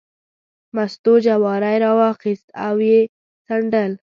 مستو جواری راواخیست او یې څنډل.